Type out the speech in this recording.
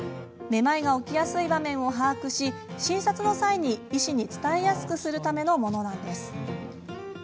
めまいが起きやすい場面を把握し診察の際に、医師に伝えやすくするためのものです。